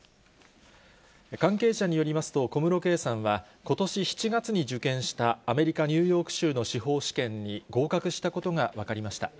関係者によりますと、小室圭さんは、ことし７月に受験したアメリカ・ニューヨーク州の司法試験に合格したことが分かりました。